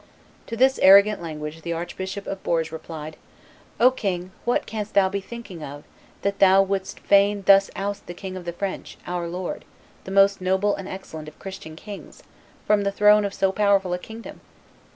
To this arrogant language the Archbishop of Bourges replied, "O king, what canst thou be thinking of that thou wouldst fain thus oust the King of the French, our lord, the most noble and excellent of Christian kings, from the throne of so powerful a kingdom?